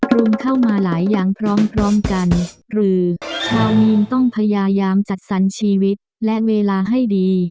รุมเข้ามาหลายอย่างพร้อมพร้อมกันหรือชาวมีนต้องพยายามจัดสรรชีวิตและเวลาให้ดี